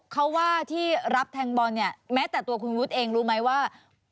เขาว่าที่รับแทงบอลเนี่ยแม้แต่ตัวคุณวุฒิเองรู้ไหมว่า